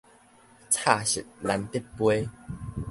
插翼難得飛